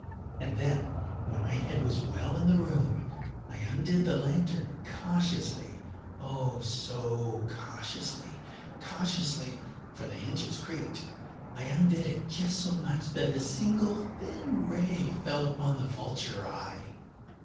And then, when my head was well in the room, I undid the lantern cautiously—oh, so cautiously—cautiously (for the hinges creaked)—I undid it just so much that a single thin ray fell upon the vulture eye.